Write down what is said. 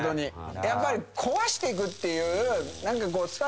やっぱり壊していくっていう。